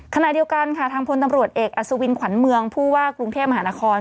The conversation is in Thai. ขณะเดียวกันค่ะทางพลตำรวจเอกอัศวินขวัญเมืองผู้ว่ากรุงเทพมหานคร